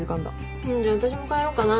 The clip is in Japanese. じゃあ私も帰ろっかな。